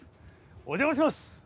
お邪魔します！